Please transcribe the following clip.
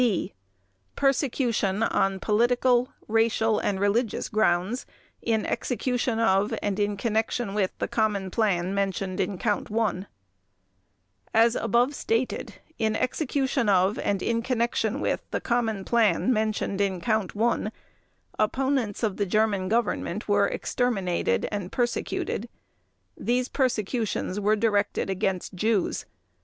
(B) PERSECUTION ON POLITICAL, RACIAL, AND RELIGIOUS GROUNDS IN EXECUTION OF AND IN CONNECTION WITH THE COMMON PLAN MENTIONED IN COUNT ONE As above stated, in execution of and in connection with the common plan mentioned in Count One, opponents of the German Government were exterminated and persecuted. These persecutions were directed against Jews.